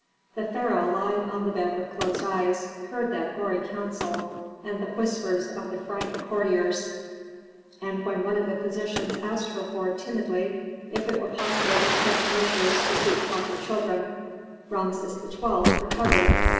The pharaoh, lying on the bed with closed eyes, heard that gory counsel, and the whispers of the frightened courtiers. And when one of the physicians asked Herhor timidly if it were possible to take measures to seek proper children, Rameses XII. recovered.